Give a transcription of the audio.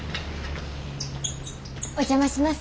お邪魔します。